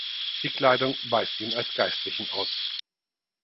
Die Kleidung weist ihn als Geistlichen aus.